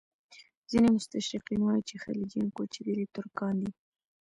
ځینې مستشرقین وایي چې خلجیان کوچېدلي ترکان دي.